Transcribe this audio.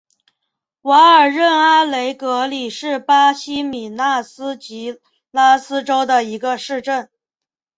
瓦尔任阿雷格里是巴西米纳斯吉拉斯州的一个市镇。